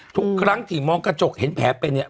ทุกครั้งที่มองกระจกเห็นแผลเป็นเนี่ย